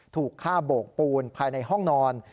ถูกฆ่าโบกปูนภายในห้องนอน